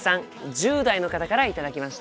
１０代の方から頂きました。